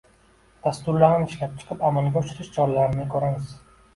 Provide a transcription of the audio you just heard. dasturlarni ishlab chiqib, amalga oshirish choralarini ko‘ramiz.